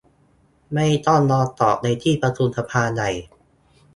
ไม่ต้องรอตอบในที่ประชุมสภาใหญ่